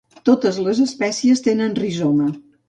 Totes les espècies tenen rizoma.